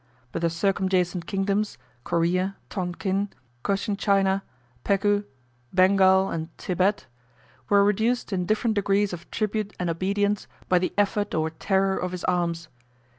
But the circumjacent kingdoms, Corea, Tonkin, Cochinchina, Pegu, Bengal, and Thibet, were reduced in different degrees of tribute and obedience by the effort or terror of his arms.